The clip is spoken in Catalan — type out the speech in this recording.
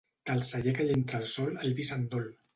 Del celler que hi entra el sol el vi se'n dol.